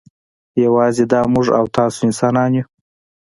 یوازې دا موږ او تاسې انسانان یو.